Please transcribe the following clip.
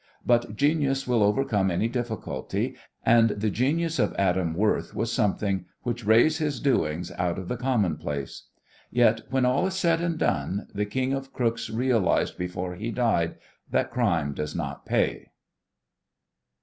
But genius will overcome any difficulty, and the genius of Adam Worth was something which raise his doings out of the commonplace. Yet, when all is said and done, the King of Crooks realized before he died that crime does not pay.